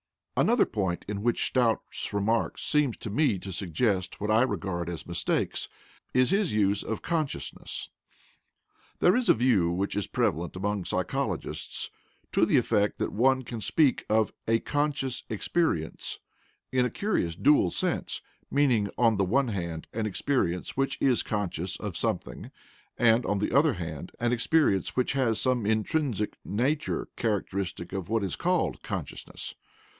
Another point in which Stout's remarks seem to me to suggest what I regard as mistakes is his use of "consciousness." There is a view which is prevalent among psychologists, to the effect that one can speak of "a conscious experience" in a curious dual sense, meaning, on the one hand, an experience which is conscious of something, and, on the other hand, an experience which has some intrinsic nature characteristic of what is called "consciousness."